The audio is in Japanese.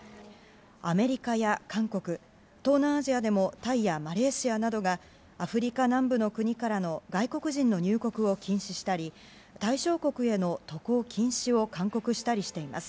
アメリカや韓国、東南アジアでもタイやマレーシアなどがアフリカ南部の国からの外国人の入国を禁止したり対象国への渡航禁止を勧告したりしています。